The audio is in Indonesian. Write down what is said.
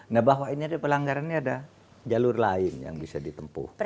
nah bahwa ini ada pelanggaran ini ada jalur lain yang bisa ditempuh